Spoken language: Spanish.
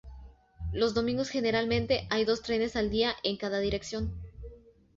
Los domingos generalmente hay dos trenes al día en cada dirección.